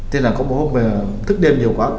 thế là có một hôm mà thức đêm nhiều quá